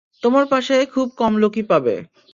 তোমার পাশে খুব কম লোকই পাবে।